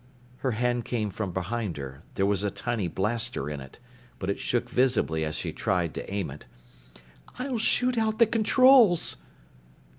Her hand came from behind her. There was a tiny blaster in it. But it shook visibly as she tried to aim it. "I'll shoot out the controls!"